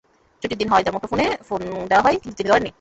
ছুটির দিন হওয়ায় তাঁর মুঠোফোনে ফোন দেওয়া হয়, কিন্তু তিনি ধরেননি।